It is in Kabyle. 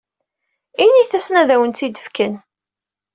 Init-asen ad awen-tt-id-fken.